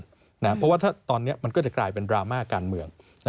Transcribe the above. เพราะว่าถ้าตอนนี้มันก็จะกลายเป็นดราม่าการเมือง